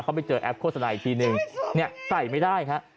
เขาไปเจอแอปโฆษณาอีกทีหนึ่งใส่ไม่ได้ค่ะ